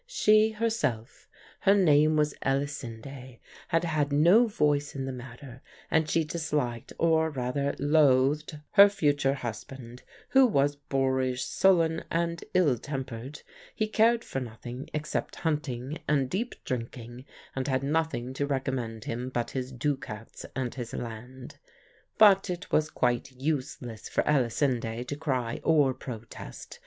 She herself her name was Elisinde had had no voice in the matter, and she disliked, or rather loathed, her future husband, who was boorish, sullen, and ill tempered; he cared for nothing except hunting and deep drinking, and had nothing to recommend him but his ducats and his land. But it was quite useless for Elisinde to cry or protest.